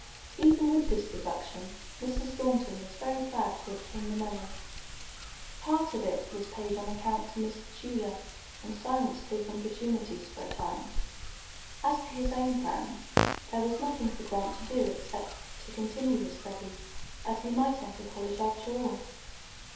Even with this deduction Mrs. Thornton was very glad to obtain the money. Part of it was paid on account to Mr. Tudor, and silenced his importunities for a time. As to his own plans, there was nothing for Grant to do except to continue his studies, as he might enter college after all.